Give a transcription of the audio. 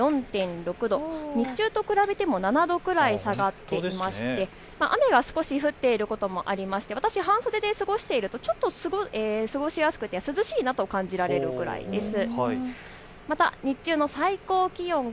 日中と比べても７度くらい下がっていまして雨が少し降っていることもありまして私、半袖で過ごしているとちょっと涼しいなと感じられるくらいです。